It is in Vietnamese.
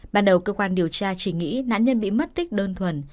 ban đầu cơ quan điều tra chỉ nghĩ nạn nhân bị mất tích đơn thuần